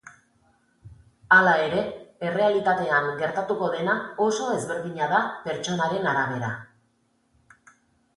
Hala ere, errealitatean gertatuko dena oso ezberdina da pertsonaren arabera.